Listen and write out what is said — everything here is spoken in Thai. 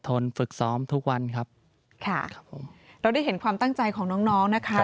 ฝึกซ้อมทุกวันครับค่ะครับผมเราได้เห็นความตั้งใจของน้องน้องนะคะ